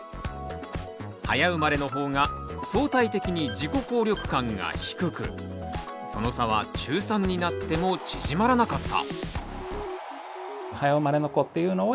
早生まれの方が相対的に自己効力感が低くその差は中３になっても縮まらなかった。